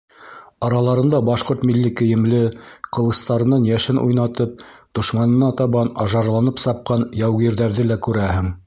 Араларында башҡорт милли кейемле, ҡылыстарынан йәшен уйнатып дошманына табан ажарланып сапҡан яугирҙәрҙе лә күрәһең.